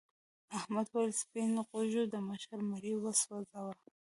احمد وویل سپین غوږو د مشر مړی وسوځاوه.